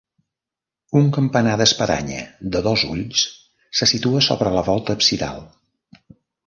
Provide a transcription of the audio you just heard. Un campanar d'espadanya de dos ulls se situa sobre la volta absidal.